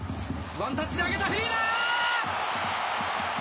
ワンタッチで上げた、フリーだ！